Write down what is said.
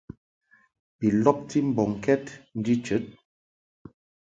Bi lɔbti mbɔŋkɛd nji chəd.